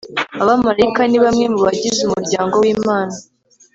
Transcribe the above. Abamarayika ni bamwe mu bagize umuryango w Imana